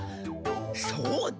そうだ。